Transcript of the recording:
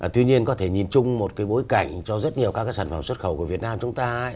tuy nhiên có thể nhìn chung một cái bối cảnh cho rất nhiều các cái sản phẩm xuất khẩu của việt nam chúng ta